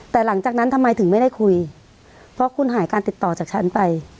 แต่หลังจากนั้นทำไมถึงไม่ได้คุยเพราะคุณหายการติดต่อจากฉันไป